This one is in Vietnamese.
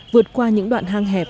vượt qua những đoạn hang hẹp